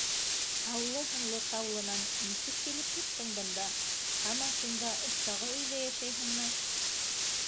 Таулы һынлы Таулынан нисек килеп еттең бында? һаман шунда, остағы өйҙә йәшәйһеңме?